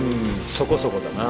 そこそこだな。